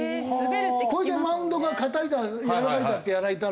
これでマウンドが硬いだやわらかいだってやられたら。